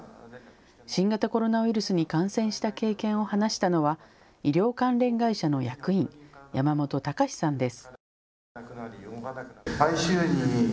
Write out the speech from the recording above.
新型コロナウイルスに感染した経験を話したのは医療関連会社の役員、山本隆さんです。